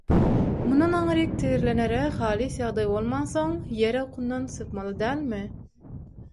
Mundan aňryk tigirlenere halys ýagdaý bolmansoň Ýer okundan sypmaly dälmi?